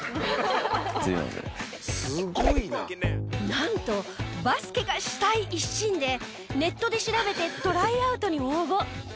なんとバスケがしたい一心でネットで調べてトライアウトに応募。